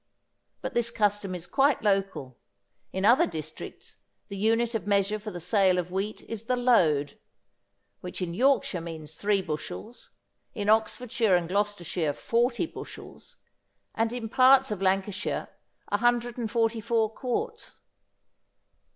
But this custom is quite local. In other districts the unit of measure for the sale of wheat is the load, which in Yorkshire means three bushels, in Oxfordshire and Gloucestershire 40 bushels, and in parts of Lancashire 144 quarts.